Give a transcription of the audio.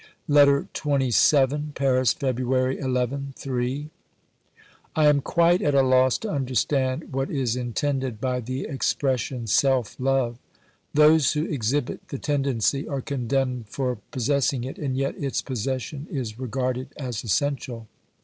OBERMANN 87 LETTER XXVII Paris, February ii (III). I am quite at a loss to understand what is intended by the expression "self love." Those who exhibit the tendency are condemned for possessing it, and yet its possession is regarded as essential.